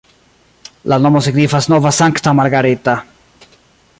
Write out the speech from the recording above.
La nomo signifas nova-sankta-Margareta.